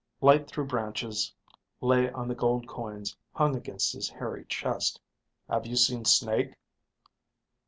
Light through branches lay on the gold coins hung against his hairy chest. "Have you seen Snake?"